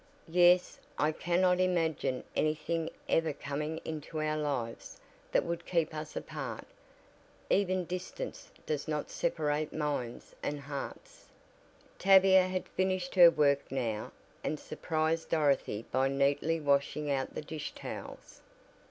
"Yes, I cannot imagine anything ever coming into our lives that would keep us apart even distance does not separate minds and hearts." Tavia had finished her work now, and surprised Dorothy by neatly washing out the dish towels.